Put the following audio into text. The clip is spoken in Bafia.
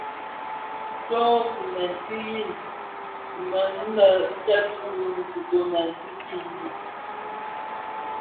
Tsoo kiňèn ki yin mi nnë tsèb ki kitöňèn ki yin mi.